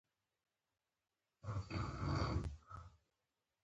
پیرودونکي د غوره انتخاب لپاره مقایسه کوي.